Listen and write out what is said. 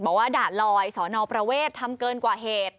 ว่าด่านลอยสนประเวททำเกินกว่าเหตุ